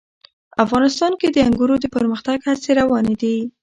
افغانستان کې د انګورو د پرمختګ هڅې روانې دي.